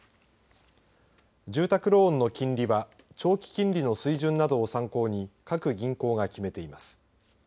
住宅ローンの金利は長期金利の水準などを参考に各銀行が決めています。